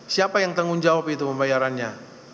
siapa yang tanggung jawab itu pembayarannya